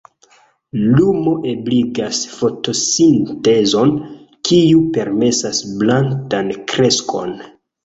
Lumo ebligas fotosintezon, kiu permesas plantan kreskon.